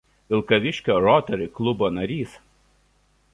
Vilkaviškio Rotary klubo narys.